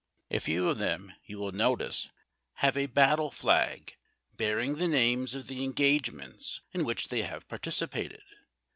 A few of them, you will notice, have a battle flag, bearing the names of the engagements in which they have participated.